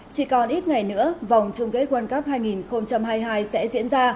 chỉ còn ít ngày nữa vòng chung kết world cup hai nghìn hai mươi hai sẽ diễn ra